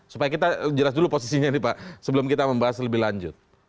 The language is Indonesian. supaya kita jelas dulu posisinya nih pak sebelum kita membahas lebih lanjut